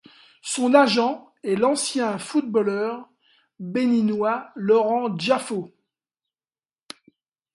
Son agent est l'ancien footballeur béninois Laurent D'Jaffo.